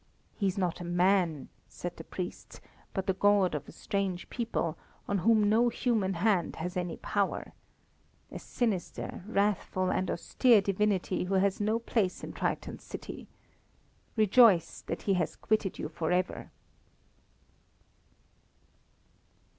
"He is not a man," said the priests, "but the god of a strange people, on whom no human hand has any power. A sinister, wrathful, and austere divinity who has no place in Triton's city. Rejoice that he has quitted you for ever!"